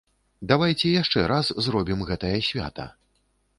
Давайце яшчэ раз зробім гэтае свята.